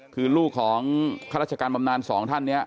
คือลูกของข้าราชการบำนานสองท่านนี้